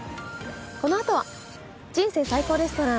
このあとは、「人生最高レストラン」。